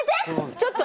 ちょっと！